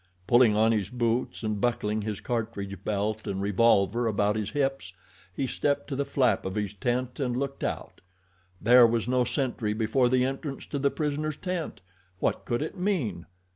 Pulling on his boots and buckling his cartridge belt and revolver about his hips he stepped to the flap of his tent and looked out. There was no sentry before the entrance to the prisoner's tent! What could it mean?